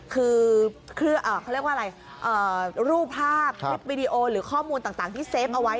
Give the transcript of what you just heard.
คือรูปภาพวิดีโอหรือข้อมูลต่างที่เซฟเอาไว้